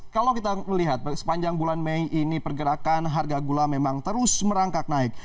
kalau kita melihat sepanjang bulan mei ini pergerakan harga gula memang terus merangkak naik